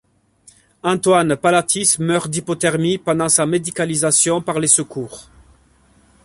Antoine Palatis meurt d'hypothermie pendant sa médicalisation par les secours.